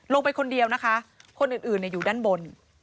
ลงไปคนเดียวนะคะคนอื่นอยู่ด้านบน